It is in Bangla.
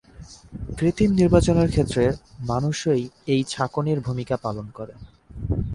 কৃত্রিম নির্বাচনের ক্ষেত্রে মানুষই এই "ছাকনি"-র ভূমিকা পালন করে।